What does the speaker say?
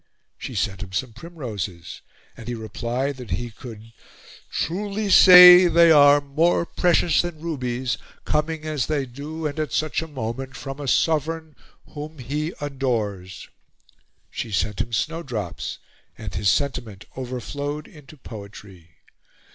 She sent him some primroses, and he replied that he could "truly say they are 'more precious than rubies,' coming, as they do, and at such a moment, from a Sovereign whom he adores." She sent him snowdrops, and his sentiment overflowed into poetry.